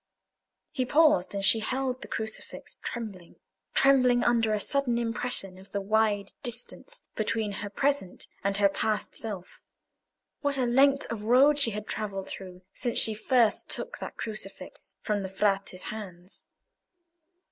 He paused, and she held the crucifix trembling—trembling under a sudden impression of the wide distance between her present and her past self. What a length of road she had travelled through since she first took that crucifix from the Frate's hands!